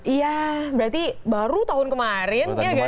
iya berarti baru tahun kemarin